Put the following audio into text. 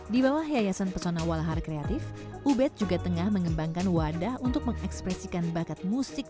di bawah yayasan pesona walahar kreatif ubed juga tengah mengembangkan wadah untuk mengekspresikan bakat musik